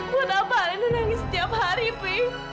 buat apa alena nangis setiap hari pi